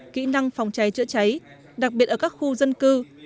kỹ năng phòng cháy chữa cháy đặc biệt ở các khu dân cư